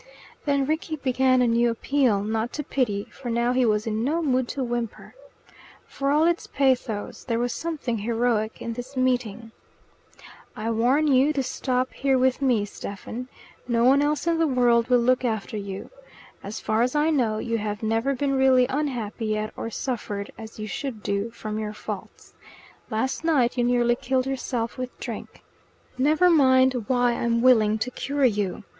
Then Rickie began a new appeal not to pity, for now he was in no mood to whimper. For all its pathos, there was something heroic in this meeting. "I warn you to stop here with me, Stephen. No one else in the world will look after you. As far as I know, you have never been really unhappy yet or suffered, as you should do, from your faults. Last night you nearly killed yourself with drink. Never mind why I'm willing to cure you.